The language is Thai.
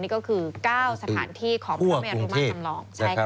นี่ก็คือ๙สถานที่ของเมียรุมันทำรอง